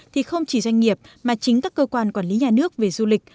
thì không chỉ doanh nghiệp mà chính các cơ quan quản lý nhà nước về du lịch